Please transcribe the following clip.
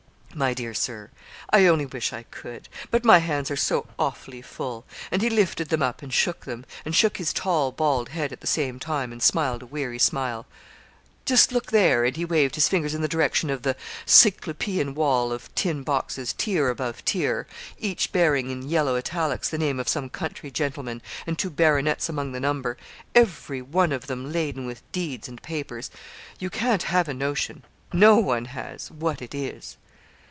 'My dear Sir, I only wish I could; but my hands are so awfully full,' and he lifted them up and shook them, and shook his tall, bald head at the same time, and smiled a weary smile. 'Just look there,' and he waved his fingers in the direction of the Cyclopean wall of tin boxes, tier above tier, each bearing, in yellow italics, the name of some country gentleman, and two baronets among the number; 'everyone of them laden with deeds and papers. You can't have a notion no one has what it is.'